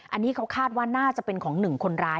อันนี้เขาคาดว่าน่าจะเป็นของหนึ่งคนร้าย